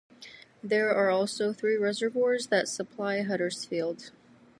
There are also three reservoirs that supply Huddersfield.